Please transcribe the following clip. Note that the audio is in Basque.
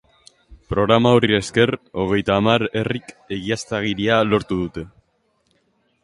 Programa horri esker, hogeita hamar herrik egiaztagiria lortu dute.